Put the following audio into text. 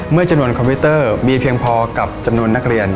จำนวนคอมพิวเตอร์มีเพียงพอกับจำนวนนักเรียน